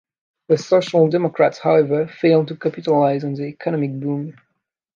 The Social Democrats, however, failed to capitalize on the economic boom.